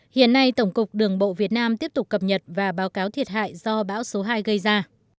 hiện nay tổng cục đường bộ việt nam tiếp tục cập nhật và báo cáo thiệt hại do bão số hai gây ra